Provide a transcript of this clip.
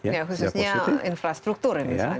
ya khususnya infrastruktur misalnya